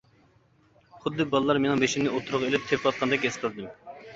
خۇددى بالىلار مېنىڭ بېشىمنى ئوتتۇرىغا ئېلىپ تېپىۋاتقاندەك ھېس قىلدىم.